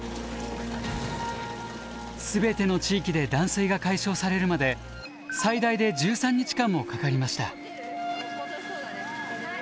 全ての地域で断水が解消されるまで最大で１３日間もかかりました。